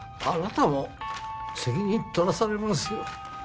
あなたも責任取らされますよ？